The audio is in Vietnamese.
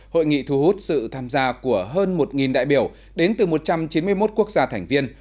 hội nghị thu hút sự tham gia của hơn một đại biểu đến từ một trăm chín mươi một quốc gia thành viên